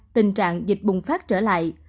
tình trạng dịch bùng phát trở lại